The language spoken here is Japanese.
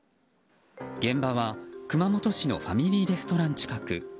現場は、熊本市のファミリーレストラン近く。